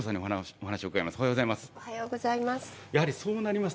おはようございます。